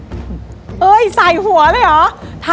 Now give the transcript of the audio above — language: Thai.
แล้ววันนี้ผมมีสิ่งหนึ่งนะครับเป็นตัวแทนกำลังใจจากผมเล็กน้อยครับ